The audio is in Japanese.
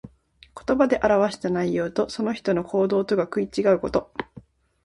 言葉で表した内容と、その人の行動とが食い違うこと。